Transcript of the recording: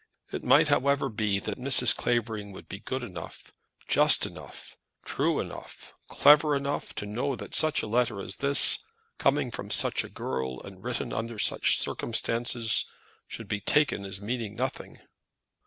It might, however, be that Mrs. Clavering would be good enough, just enough, true enough, clever enough, to know that such a letter as this, coming from such a girl and written under such circumstances, should be taken as meaning nothing.